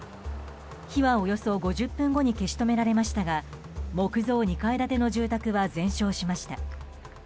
火は、およそ５０分後に消し止められましたが木造２階建ての住宅は全焼しました。